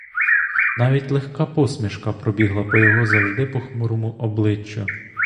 Навіть легка посмішка пробігла по його завжди похмурому обличчю.